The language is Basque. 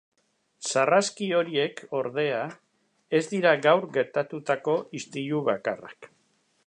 Sarraski horiek, ordea, ez dira gaur gertatutako istilu bakarrak.